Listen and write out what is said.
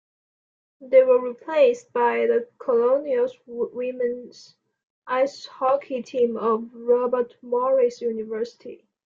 They were replaced by the Colonials women's ice hockey team of Robert Morris University.